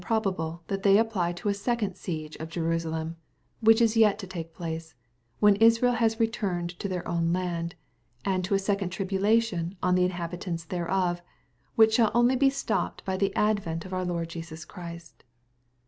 probable that thej apply to a second siege of Jerusakm^ whict is yet to take place, when Israel has returned to their own land — and to a second tribulation on the inha bitants thereof, which shall only be stopped by the advent of onr Lord Jesus Christ.